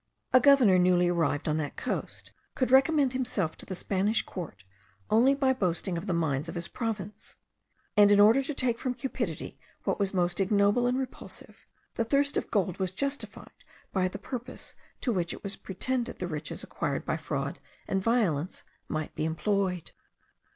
A governor, newly arrived on that coast, could recommend himself to the Spanish court only by boasting of the mines of his province; and in order to take from cupidity what was most ignoble and repulsive, the thirst of gold was justified by the purpose to which it was pretended the riches acquired by fraud and violence might be employed.